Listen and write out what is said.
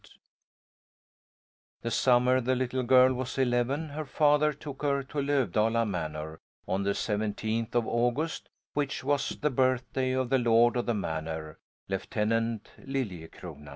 The summer the little girl was eleven her father took her to Lövdala Manor on the seventeenth of August, which was the birthday of the lord of the manor, Lieutenant Liljecrona.